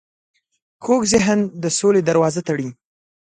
کوږ ذهن د سولې دروازه تړي